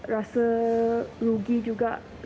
rasa rugi juga sebab saya belajar